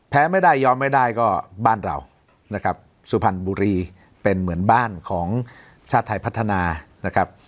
ไม่ได้ยอมไม่ได้ก็บ้านเรานะครับสุพรรณบุรีเป็นเหมือนบ้านของชาติไทยพัฒนานะครับ